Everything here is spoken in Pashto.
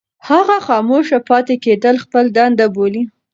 هغه خاموشه پاتې کېدل خپله دنده بولي.